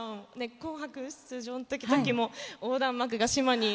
「紅白」出場の時も横断幕も島に。